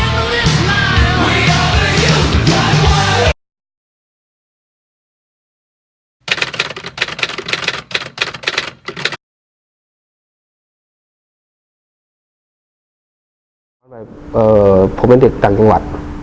ทำไมผมเป็นเด็กต่างจังหวัด